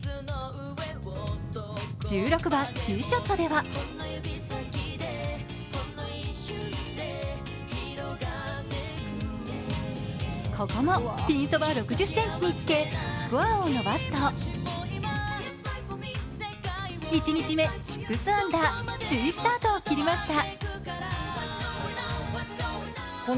１６番ティーショットではここもピンそば６０ｃｍにつけ、スコアを伸ばすと１日目、６アンダー首位スタートを切りました。